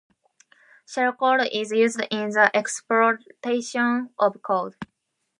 Shellcode is used in the exploitation of code.